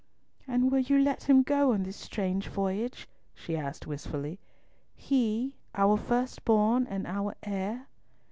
"And will you let him go on this strange voyage?" she asked wistfully, "he, our first born, and our heir."